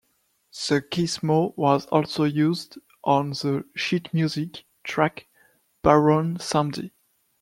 The Gizmo was also used on the "Sheet Music" track "Baron Samedi".